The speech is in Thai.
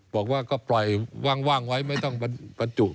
บอกว่าก็ปล่อยว่างไว้ไม่ต้องบรรจุ